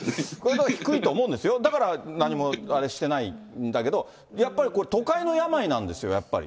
これ、低いと思うんですよ、だから何もあれしてないんだけど、やっぱり都会の病なんですよ、やっぱり。